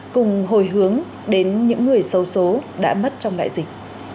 cùng hồi hướng đến những người xấu xố đã mất trong đại dịch